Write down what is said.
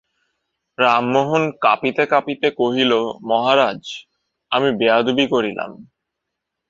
রামমোহন কাঁপিতে কাঁপিতে কহিল, মহারাজ, আমি বেয়াদবি করিলাম।